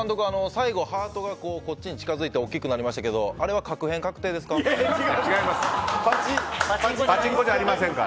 最後ハートがこっちに近づいて大きくなりましたけどあれは確変、確定ですか？